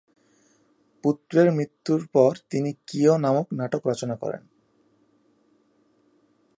পুত্রের মৃত্যুর পর তিনি কিয় নামক নাটক রচনা করেন।